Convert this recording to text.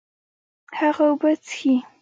هغه اوبه څښي